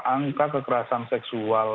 angka kekerasan seksual